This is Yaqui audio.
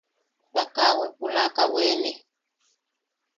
Ta kaa wepulaka wene.